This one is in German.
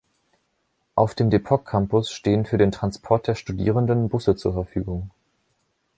Auf dem Depok-Campus stehen für den Transport der Studierenden Busse zur Verfügung.